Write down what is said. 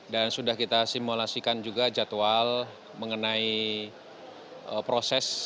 dan sudah kita simulasikan juga jadwal mengenai proses